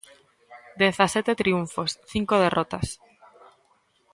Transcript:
Dezasete triunfos, cinco derrotas.